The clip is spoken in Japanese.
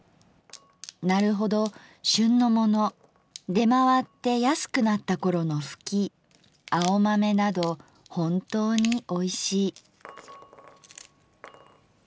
なるほど『しゅん』のもの出回って安くなったころの『ふき』『青豆』などほんとうにおいしい」。